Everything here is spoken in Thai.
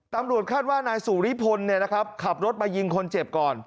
ตำรวจคาดว่านายสุริพลขับรถมายิงคนเจ็บก่อน